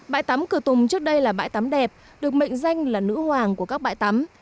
bãi tắm cửa tùng trước đây là bãi tắm đẹp được mệnh danh là nữ hoàng của các bãi tắm